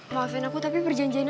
masih nggak ada penantenonymu